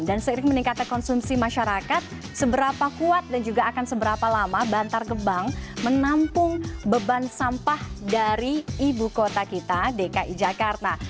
dan seiring meningkat konsumsi masyarakat seberapa kuat dan juga akan seberapa lama bantar gebang menampung beban sampah dari ibu kota kita dki jakarta